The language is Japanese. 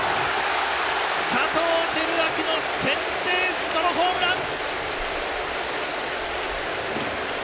佐藤輝明の先制ソロホームラン！